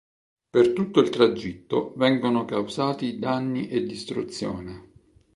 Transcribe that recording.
Per tutto il tragitto vengono causati danni e distruzione.